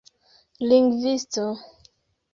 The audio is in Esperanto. lingvisto